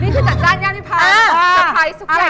ภายใจจ้านอีกที